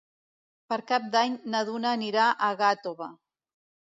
Per Cap d'Any na Duna anirà a Gàtova.